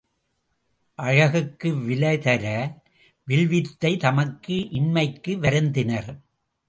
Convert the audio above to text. அழகுக்கு விலைதர வில் வித்தை தமக்கு இன்மைக்கு வருந்தினர்.